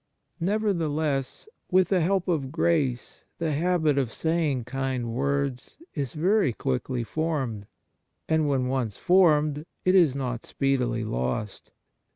Nevertheless, with the help of grace, the habit of saying kind words is very quickly formed, and when once formed, it is not speedily lost.